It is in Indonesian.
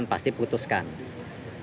mas ini tadi tadi